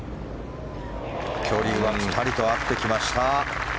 距離はぴたりと合ってきました。